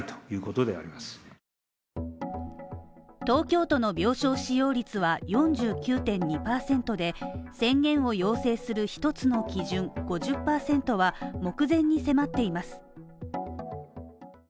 東京都の病床使用率は４９．２％で、宣言を要請する一つの基準５０％は目前に迫っています。